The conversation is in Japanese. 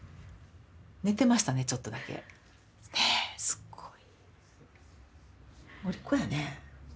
寝てましたねちょっとだけ。ねすごい。